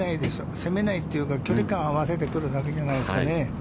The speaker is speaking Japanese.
攻めないというか、距離感を合わせてくるだけじゃないですかね。